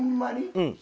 うん。